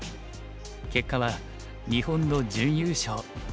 結果は日本の準優勝。